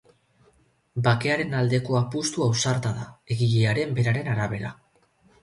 Bakearen aldeko apustu ausarta da, egilearen beraren arabera.